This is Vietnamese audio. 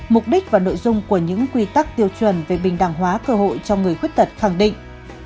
mục đích và nội dung của những quy tắc tiêu chuẩn về bình đẳng hóa cơ hội cho người khuyết tật khẳng định